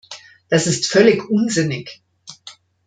Das ist völlig unsinnig.